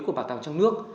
của bảo tàng trong nước